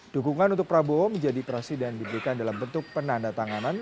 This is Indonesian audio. dukungan untuk prabowo menjadi presiden diberikan dalam bentuk penanda tanganan